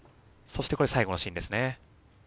そしてこれ最後のシーンですね。